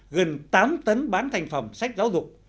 gần tám tấn bán thành phẩm sách giáo dục